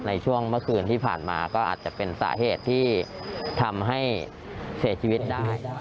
ในช่วงเมื่อคืนที่ผ่านมาก็อาจจะเป็นสาเหตุที่ทำให้เสียชีวิตได้